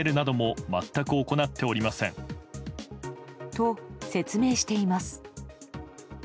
と、説明しています。